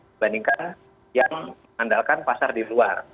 dibandingkan yang mengandalkan pasar di luar